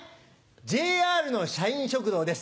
ＪＲの社員食堂です。